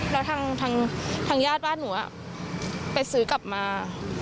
แล้วทางญาติบ้านหนูไปซื้อกลับมา